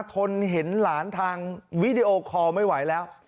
ทนเห็นหลานทางวิดีโอคอลไม่ไหวแล้ว